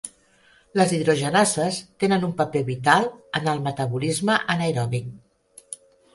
Les hidrogenases tenen un paper vital en el metabolisme anaerobi.